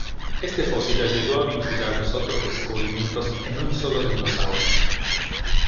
Este fósil ayudó a vincular los otros descubrimientos en un solo dinosaurio.